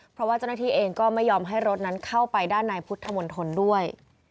เพราะว่าเจ้าหน้าที่เองก็ไม่ยอมให้รถนั้นเข้าไปด้านในพุทธมนตรด้วย